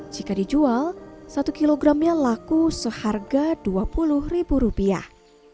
jika dijual satu kilogramnya laku seharga dua puluh ribu rupiah